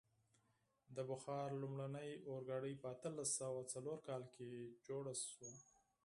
د بخار لومړنی اورګاډی په اتلس سوه څلور کال کې جوړ شو.